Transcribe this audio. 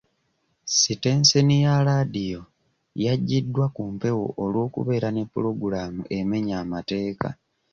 Sitenseni ya laadiyo yajiddwa ku mpewo olw'okubeera ne pulogulamu emenya amateeka.